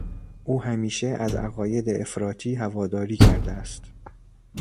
او همیشه از عقاید افراطی هواداری کرده است.